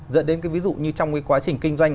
dẫn đến cái ví dụ như trong cái quá trình kinh doanh